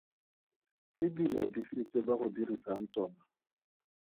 Ke dilo dife tse ba go dirisang tsona?